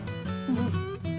うん。